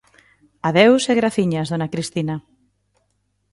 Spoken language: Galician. Adeus e graciñas, dona Cristina.